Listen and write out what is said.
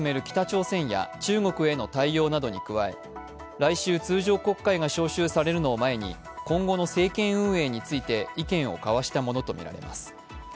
北朝鮮や中国への対応などに加え、来週、通常国会が召集されるのを前に、今後の政権運営について意見を交わしたものとみられます。